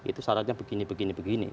itu syaratnya begini begini begini